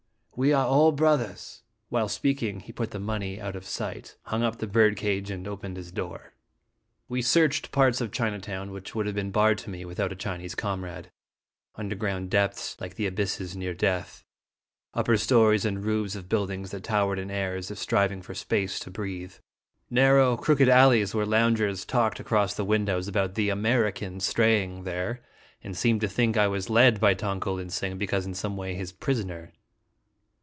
We are all brothers." While speaking, he put the money out of sight, hung up the bird cage, and opened his door. We searched parts of Chinatown which would have been barred to me without a Chi nese comrade ; underground depths, like the abysses after death ; upper stories and roofs of buildings that towered in air as if striving for space to breathe; narrow, crooked alleys, where loungers talked across from windows about the American straying there, and seemed to think I was led by Tong ko lin sing because in some way his prisoner.